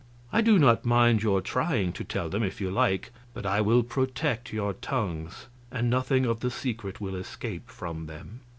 I do not mind your trying to tell them, if you like, but I will protect your tongues, and nothing of the secret will escape from them."